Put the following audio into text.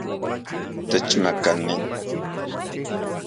Techmaka nin